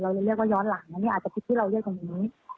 เลยเรียกว่าย้อนหลังอันนี้อาจจะคลิปที่เราเรียกตรงนี้